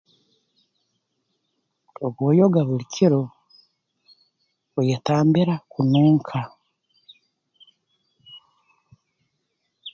Obu oyoga bulikiro oyetambira kununka